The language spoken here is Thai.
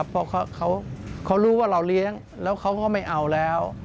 เพราะเขารู้ว่าเราเลี้ยงแล้วเขาก็ไม่เอาแล้ว